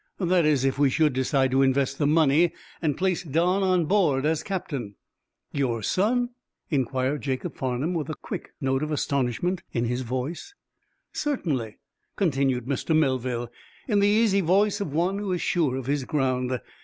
That is, if we should decide to invest the money and place Don on board as captain." "Your son?" inquired Jacob Farnum, with a quick note of astonishment in his voice. "Certainly," continued Mr. Melville, in the easy voice of one who is sure of his ground.